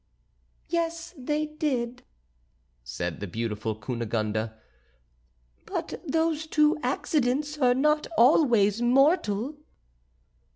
"Yes, they did," said the beautiful Cunegonde; "but those two accidents are not always mortal."